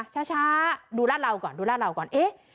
ช้าดูร่าดเหลาก่อนเอ๊ะ